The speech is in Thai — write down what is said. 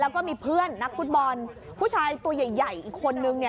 แล้วก็มีเพื่อนนักฟุตบอลผู้ชายตัวใหญ่ใหญ่อีกคนนึงเนี่ย